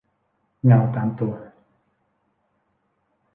เงาตามตัว